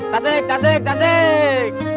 tasik tasik tasik